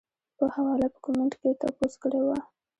پۀ حواله پۀ کمنټ کښې تپوس کړے وۀ -